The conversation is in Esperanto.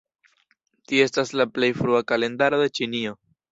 Tio estas la plej frua kalendaro de Ĉinio.